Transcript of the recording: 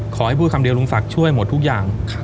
ขอให้พูดคำเดียวลุงศักดิ์ช่วยหมดทุกอย่าง